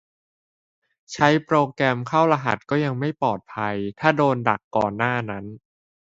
ใช้โปรแกรมเข้ารหัสก็ยังไม่ปลอดภัย ถ้าโดนดักก่อนหน้านั้น